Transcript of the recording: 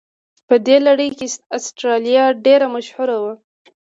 په دې لړ کې استرالیا ډېره مشهوره وه.